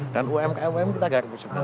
dan umkm kita harap semua